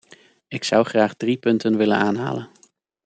Ik zou graag drie punten willen aanhalen.